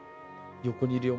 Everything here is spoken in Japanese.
横にいるよ